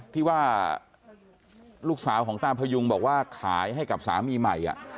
ที่ว่าลูกสาวของตาพยุงบอกว่าขายให้กับสามีใหม่